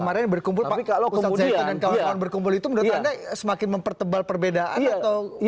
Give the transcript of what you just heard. kemarin berkumpul pak umar zain dan kawan kawan berkumpul itu menurut anda semakin mempertebal perbedaan atau